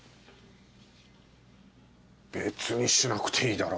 別にしなくていいだろう。